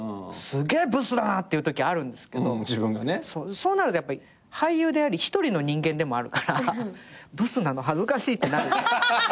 そうなるとやっぱり俳優であり一人の人間でもあるからブスなの恥ずかしいってなる。